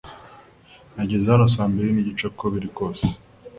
Nageze hano saa mbiri nigice uko biri kose